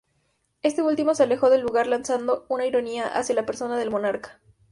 Este último se alejó del lugar lanzando una ironía hacia la persona del monarca.